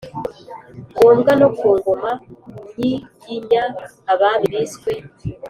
ngombwa. no ku ngoma nyiginya, abami biswe